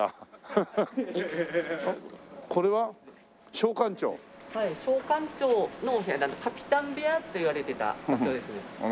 商館長のお部屋カピタン部屋といわれてた場所ですね。